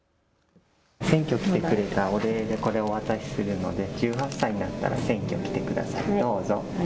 選挙来てくれたお礼にこれお渡しするので１８歳になったら選挙来てください、どうぞ。